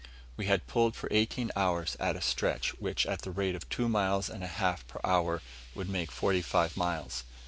We had pulled for eighteen hours at a stretch, which, at the rate of two miles and a half per hour, would make forty five miles.